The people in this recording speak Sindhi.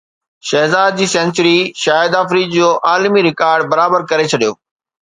شهزاد جي سينچري شاهد فريدي جو عالمي رڪارڊ برابر ڪري ڇڏيو